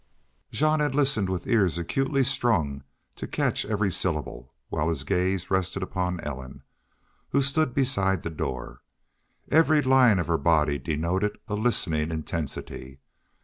Jean had listened with ears acutely strung to catch every syllable while his gaze rested upon Ellen who stood beside the door. Every line of her body denoted a listening intensity.